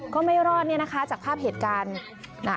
ก็ไม่รอดเนี่ยนะคะจากภาพเหตุการณ์น่ะ